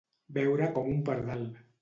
Beure com un pardal.